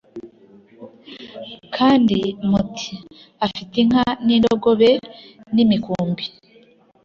kandi muti “afite inka n’indogobe n’imikumbi